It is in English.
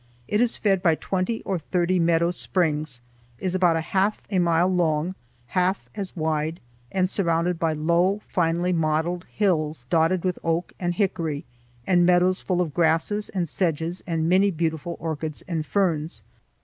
It is fed by twenty or thirty meadow springs, is about half a mile long, half as wide, and surrounded by low finely modeled hills dotted with oak and hickory, and meadows full of grasses and sedges and many beautiful orchids and ferns.